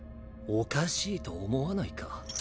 おかしいと思わないか？